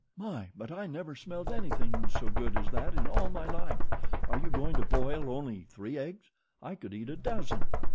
My! but I never smelled anything so good as that in all my life. Are you going to boil only three eggs? I could eat a dozen."